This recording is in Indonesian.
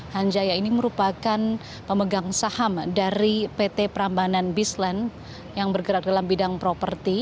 hanjaya ini merupakan pemegang saham dari pt prambanan bislan yang bergerak dalam bidang properti